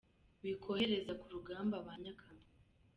Wikohereza ku rugamba ba nyakamwe !